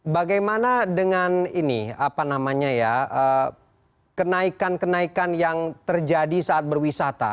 bagaimana dengan ini apa namanya ya kenaikan kenaikan yang terjadi saat berwisata